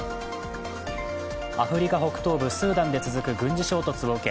アフリカ北東部スーダンで続く軍事衝突を受け